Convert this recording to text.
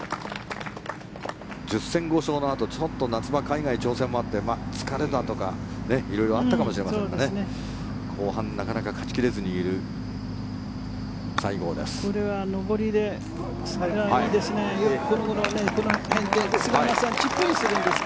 １０戦５勝のあとちょっと夏場海外挑戦もあって疲れだとか色々あったかもしれませんが後半、なかなか勝ち切れずにいる西郷です。